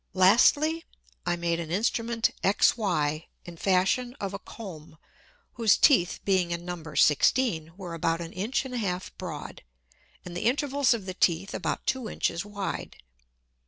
Lastly, I made an Instrument XY in fashion of a Comb, whose Teeth being in number sixteen, were about an Inch and a half broad, and the Intervals of the Teeth about two Inches wide.